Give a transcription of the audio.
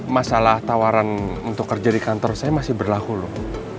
masalah tawaran untuk kerja di kantor saya masih berlaku loh